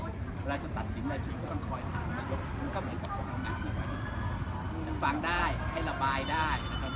เวลาจะตัดสินได้ทีก็ต้องคอยถามมันก็เหมือนกับผมนะฟังได้ให้ระบายได้